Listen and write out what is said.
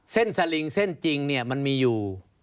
เส้นสลิงเส้นจริงมันมีอยู่